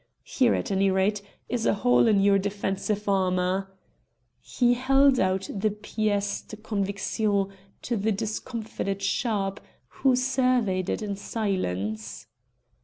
Here, at any rate, is a hole in your defensive armour." He held out the pièce de conviction to the discomfited Sharpe, who surveyed it in silence.